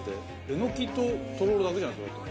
えのきととろろだけじゃないですか？